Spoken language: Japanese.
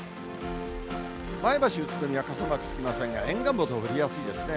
前橋、宇都宮、傘マークつきませんが、沿岸部ほど降りやすいですね。